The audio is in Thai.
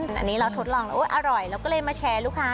หนึ่งหนึ่งเราทดลองแล้วอร่อยแล้วเรามาแชร์ลูกค้า